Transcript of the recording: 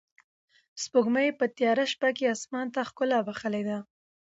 سپوږمۍ په تیاره شپه کې اسمان ته ښکلا بښلې ده.